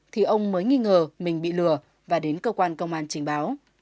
thì ông mới nghi ngờ mình bị lừa và đến cơ quan công an trình báo